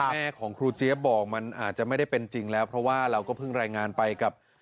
แม่ของครูเจี๊ยบบอกมันอาจจะไม่ได้เป็นจริงแล้วเพราะว่าเราก็เพิ่งรายงานไปกับ